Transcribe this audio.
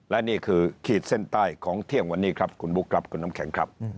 และนี่คือขีดเส้นใต้ของเที่ยงวันนี้ครับคุณบุ๊คครับคุณน้ำแข็งครับ